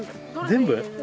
全部？